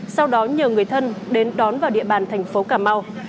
sau đó nhờ người thân đến đón vào địa bàn thành phố cà mau